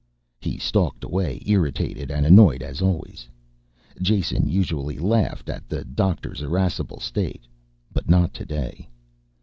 He stalked away, irritated and annoyed as always. Jason usually laughed at the doctor's irascible state, but not today.